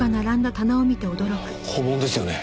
本物ですよね？